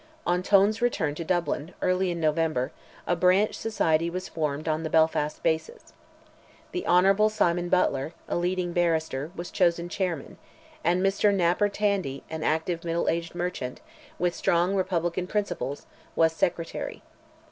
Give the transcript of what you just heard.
On Tone's return to Dublin, early in November, a branch society was formed on the Belfast basis. The Hon. Simon Butler, a leading barrister, was chosen Chairman, and Mr. Napper Tandy, an active middle aged merchant, with strong republican principles, was Secretary.